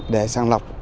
để sàng lọc